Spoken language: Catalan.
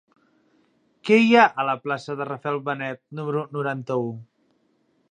Què hi ha a la plaça de Rafael Benet número noranta-u?